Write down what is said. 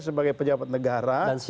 sebagai pejabat negara